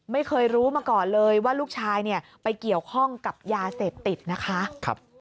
ไม่เคยรู้มาก่อนเลยว่าลูกชายเนี่ยไปเกี่ยวข้องกับยาเสพติดนะคะ